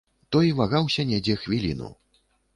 Той вагаўся недзе хвіліну.